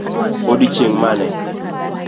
Odiochieng' mane?